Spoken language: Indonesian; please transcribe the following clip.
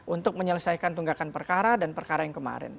untuk menyelesaikan tunggakan perkara dan perkara yang kemarin